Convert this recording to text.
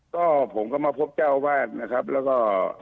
ก็ผมก็มาพบเจ้าวาดนะครับแล้วก็